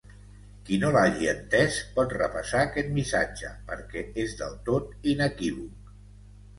Qui no l'hagi entès, pot repassar aquest missatge perquè és del tot inequívoc.